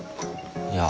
いや。